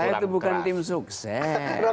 saya itu bukan tim sukses